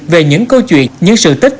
về những câu chuyện những sự tích